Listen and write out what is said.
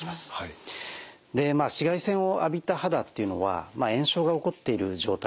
紫外線を浴びた肌っていうのは炎症が起こっている状態なんですね。